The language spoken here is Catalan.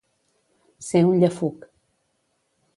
Ser un llefuc.